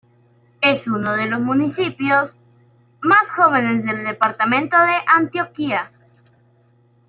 Es uno de los municipios más jóvenes del departamento de Antioquia.